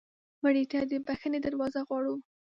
مړه ته د بښنې دروازه غواړو